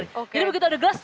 jadi begitu ada gelas